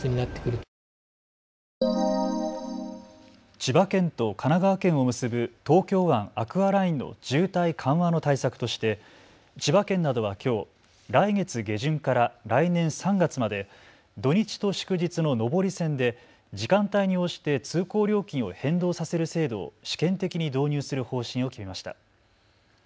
千葉県と神奈川県を結ぶ東京湾アクアラインの渋滞緩和の対策として千葉県などはきょう来月下旬から来年３月まで土日と祝日の上り線で時間帯に応じて通行料金を変動させる制度を試験的に導入する方針を決めました。